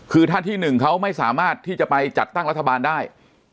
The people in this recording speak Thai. คือท่านที่๑เขาไม่สามารถที่จะไปจัดตั้งรัฐบาลได้